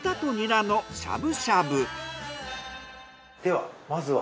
ではまずは。